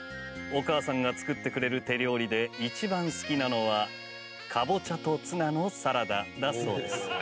お母さんが作ってくれる手料理で一番好きなのはカボチャとツナのサラダだそうです。